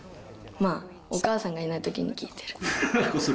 まあ、お母さんがいないときに聴いてる。